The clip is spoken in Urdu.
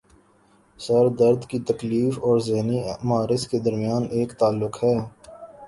سر درد کی تکلیف اور ذہنی امراض کے درمیان ایک تعلق ہے